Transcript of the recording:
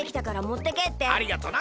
ありがとな！